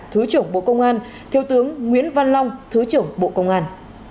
thứ trưởng bộ công an thiếu tướng nguyễn văn long thứ trưởng bộ công an